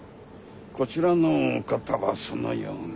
こちらのお方はそのような。